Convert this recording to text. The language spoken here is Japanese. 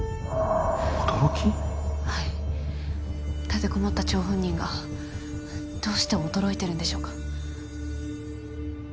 立てこもった張本人がどうして驚いてるんでしょうか？